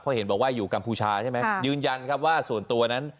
เพราะเห็นบอกว่าอยู่กัมพูชาใช่ไหมยืนยันครับว่าส่วนตัวนั้น